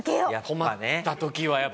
困った時はやっぱ。